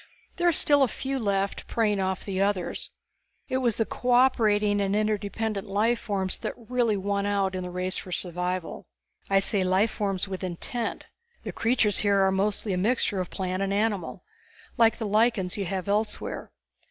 There are still a few left, preying off the others. It was the cooperating and interdependent life forms that really won out in the race for survival. I say life forms with intent. The creatures here are mostly a mixture of plant and animal, like the lichens you have elsewhere.